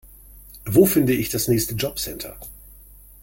Wo finde ich das nächste Jobcenter?